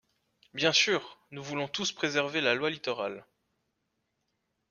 Bien sûr ! Nous voulons tous préserver la loi Littoral.